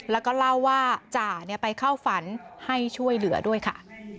แล้วก็เล่าว่าจ่าไปเข้าฝันให้ช่วยเหลือด้วยค่ะ